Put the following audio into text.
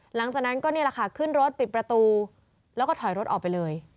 หลังจากนั้นก็นี่แหละค่ะขึ้นรถปิดประตูแล้วก็ถอยรถออกไปเลย